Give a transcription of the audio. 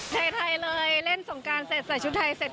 ไทยเลยเล่นสงการเสร็จใส่ชุดไทยเสร็จ